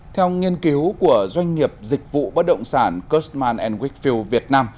theo nghiên cứu của doanh nghiệp dịch vụ bất động sản custman wakefield việt nam